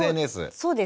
そうですね。